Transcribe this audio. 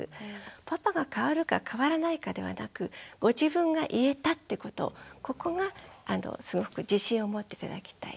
パパが変わるか変わらないかではなくご自分が言えたってことここがすごく自信を持って頂きたい。